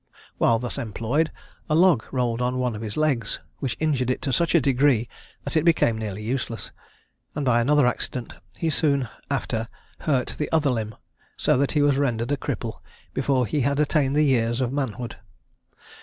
While thus employed, a log rolled on one of his legs, which injured it to such a degree that it became nearly useless; and by another accident he soon after hurt the other limb, so that he was rendered a cripple before he had attained the years of manhood.